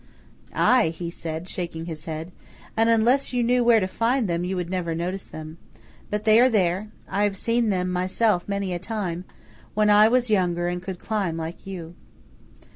"Aye," he said, shaking his head," and unless you knew where to find them, you would never notice them. But they are there. I have seen them myself many a time, when 1 was younger and could climb like you."